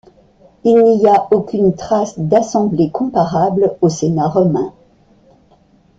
Il n’y a aucune trace d’assemblée comparable au Sénat romain.